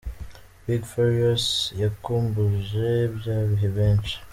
Big Farious yakumbuje bya bihe benshi:.